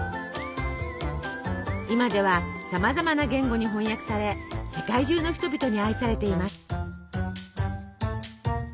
今ではさまざまな言語に翻訳され世界中の人々に愛されています。